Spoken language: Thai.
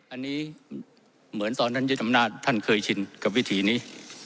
อันนี้เหมือนตอนนั้นท่านเชียวธรรมนาจท่านเคยชินกับวิถีนี้